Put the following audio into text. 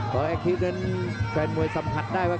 เพราะแอคทิฟต์นั้นแฟนมวยสัมหัสได้ว่า